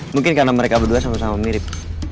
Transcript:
mungkin karena mereka berdua sama sama mirip